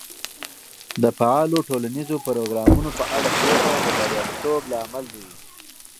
د فعالو ټولنیزو پروګرامونو په اړه پوهه د بریالیتوب لامل دی.